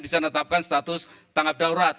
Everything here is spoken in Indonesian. bisa menetapkan status tanggap darurat